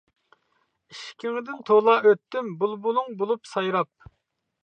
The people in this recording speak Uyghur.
ئىشىكىڭدىن تولا ئۆتتۈم، بۇلبۇلۇڭ بولۇپ سايراپ.